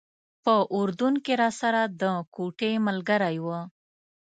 په اردن کې راسره د کوټې ملګری و.